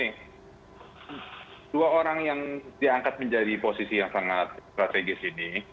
kedua orang yang diangkat menjadi posisi yang sangat strategis ini